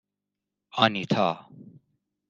آنیتا